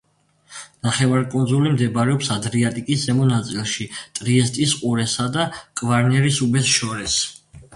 ნახევარკუნძული მდებარეობს ადრიატიკის ზემო ნაწილში ტრიესტის ყურესა და კვარნერის უბეს შორის.